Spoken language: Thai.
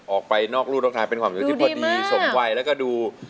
ออกไปนอกรูดนะคะเป็นความสวยที่พอดีสมไหวแล้วก็ดู